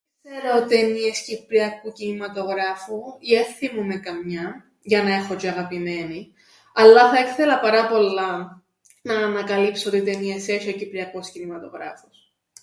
Εν ι-ξέρω ταινίες κυπριακού κινηματογράφου ή εν θθυμούμαι καμιάν για να έχω τζ̆αι αγαπημένην αλλά θα έθελα πάρα πολλά να ανακαλύψω τι ταινίες έσ̆ει ο κυπριακός κινηματογράφος.